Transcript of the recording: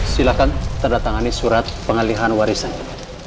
silahkan terdatangkan ini surat pengalihan warisannya